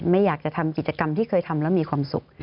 ไม่อยากจะทำกิจกรรมที่เคยทำแล้วมีความสุข